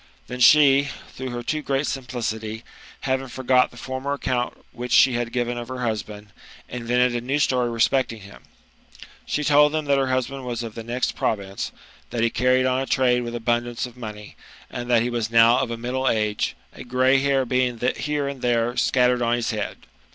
Then she, through her great simplicity, having Ibrgot the forma: account which she had GOLDEN ASi^ OdT APUUHW.— 'BOOK V. n given of her husband, invented a new story respecting hkn* She told tl)em that her husband was of the next province ; that he carried on a trade with abundance of money; and that he waa now of a middle age, a grey hair being here and there scattered on his head.